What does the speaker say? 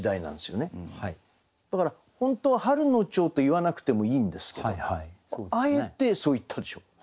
だから本当は「春の蝶」と言わなくてもいいんですけどもあえてそう言ったでしょ。